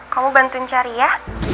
kamu bantuin cari ya